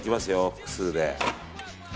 複数で。